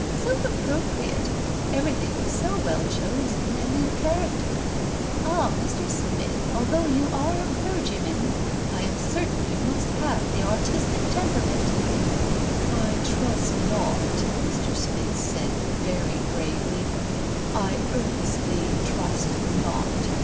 "So appropriate! Everything was so well chosen and in character! Ah, Mr. Smith, although you are a clergyman, I am certain you must have the artistic temperament." "I trust not," Mr. Smith said very gravely "I earnestly trust not.